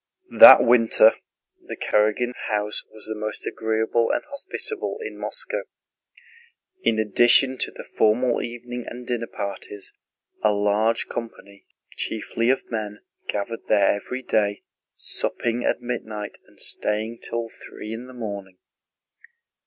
That winter the Karágins' house was the most agreeable and hospitable in Moscow. In addition to the formal evening and dinner parties, a large company, chiefly of men, gathered there every day, supping at midnight and staying till three in the morning.